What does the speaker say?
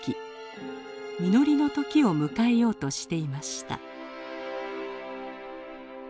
実りの時を迎えようとしていました。